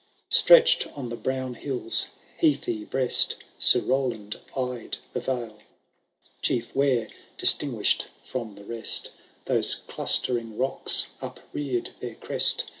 Stretched on the brown hill^s heathy breast. Sir Roland eyed the vale ; Chief where, distinguish^ from the rest, Those clustering rocks uprear^d their crest.